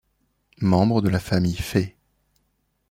Membre de la famille Fáy.